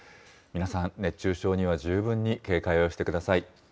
皆さん、熱中症には十分に警戒をしてください。